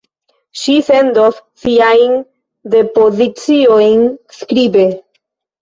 Ŝi sendos siajn depoziciojn skribe.